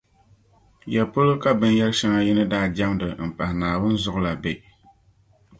Yapolo ka binyεri shεŋa yi ni daa jεmdi m-pahi Naawuni zuɣu la be?